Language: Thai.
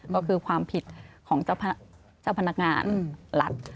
ก็คือความผิดของเจ้าพนักงานรัฐ